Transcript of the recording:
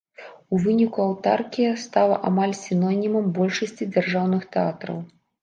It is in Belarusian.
У выніку аўтаркія стала амаль сінонімам большасці дзяржаўных тэатраў.